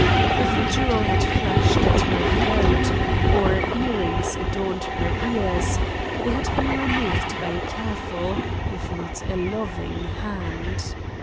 If a jewel had flashed at her throat, or earrings adorned her ears, they had been removed by a careful, if not a loving, hand.